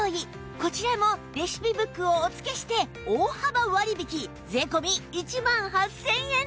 こちらもレシピブックをお付けして大幅割引税込１万８０００円です